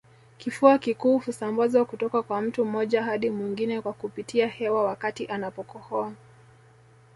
Kifua kikuu husambazwa kutoka kwa mtu mmoja hadi mwingine kwa kupitia hewa wakati anapokohoa